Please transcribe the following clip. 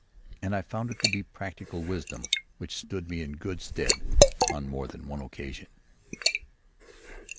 And I found it to be practical wisdom which stood me in good stead on more than one occasion.